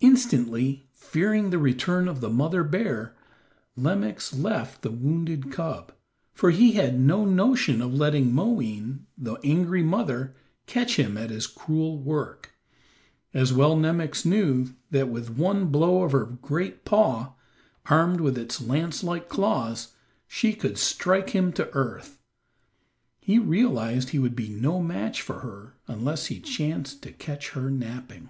Instantly, fearing the return of the mother bear, Nemox left the wounded cub, for he had no notion of letting Moween, the angry mother, catch him at his cruel work, as well Nemox knew that with one blow of her great paw, armed with its lance like claws, she could strike him to earth. He realized he would be no match for her unless he chanced to catch her napping.